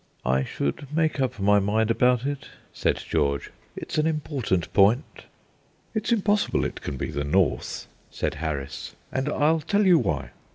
"I should make up my mind about it," said George; "it's an important point." "It's impossible it can be the north," said Harris, "and I'll tell you why."